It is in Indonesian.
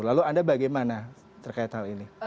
lalu anda bagaimana terkait hal ini